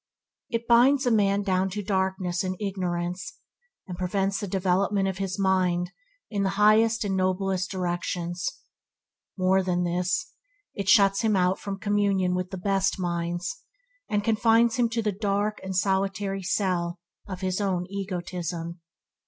It binds a man down to darkness and ignorance, and prevents the development of his mind in the highest and noblest directions. More than this, it also shuts him out from communion with the best minds, and confines him to the dark and solitary cell of his own egotism.